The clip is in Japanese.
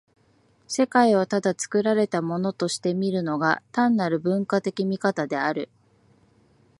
世界をただ作られたものとして見るのが、単なる文化的見方である。